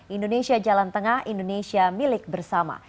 indonesia jalan tengah indonesia milik bersama